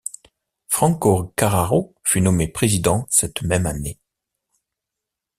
Franco Carraro fut nommé président cette même année.